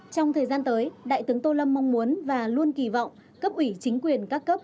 trong thời gian tới đại tướng tô lâm mong muốn và luôn kỳ vọng cấp ủy chính quyền các cấp